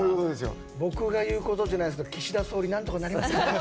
僕が言うことじゃないですけど岸田総理、何とかなりませんか？